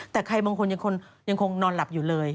แต่ใครบางคนยังคงนอนหลับอยู่เลย